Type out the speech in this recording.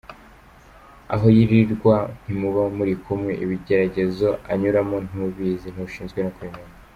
Aho yirirwa ntimuba muri kumwe, ibigeragezo anyuramo ntubizi ntushinzwe no kubimenya.